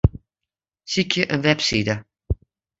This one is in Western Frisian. Sykje in webside.